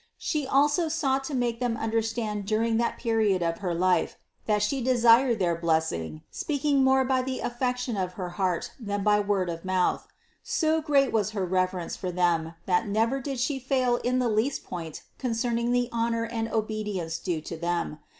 She also sought to make them understand during that period of her age, that She desired their blessing, speaking more by the affection of her heart than by word of mouth. So great was her reverence for them, that never did She fail in the least point concerning the honor and obedience due to them.